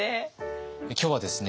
今日はですね